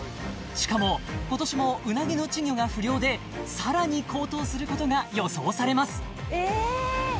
しかも今年もうなぎの稚魚が不漁でさらに高騰することが予想されますえーっ？